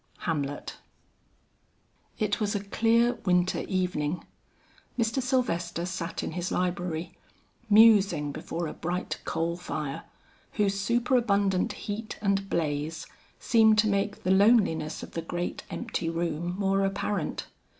HAMLET. It was a clear winter evening. Mr. Sylvester sat in his library, musing before a bright coal fire, whose superabundant heat and blaze seemed to make the loneliness of the great empty room more apparent.